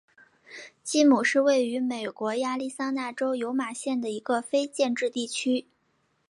基姆是位于美国亚利桑那州尤马县的一个非建制地区。